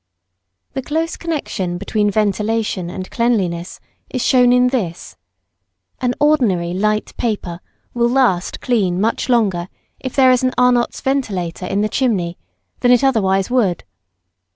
The close connection between ventilation and cleanliness is shown in this. An ordinary light paper will last clean much longer if there is an Arnott's ventilator in the chimney than it otherwise would.